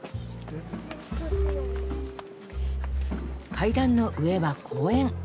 階段の上は公園。